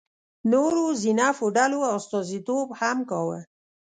نورو ذینفع ډلو استازیتوب هم کاوه.